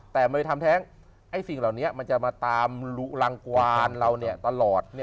แต่ไม่ทำแท้งสิ่งเหล่านี้มันจะมาตามหลุลังกวานเราตลอด